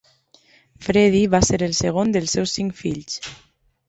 Fredi va ser el segon dels seus cinc fills.